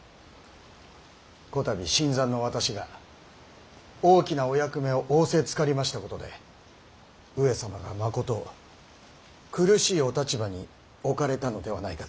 こたび新参の私が大きなお役目を仰せつかりましたことで上様がまこと苦しいお立場に置かれたのではないかと。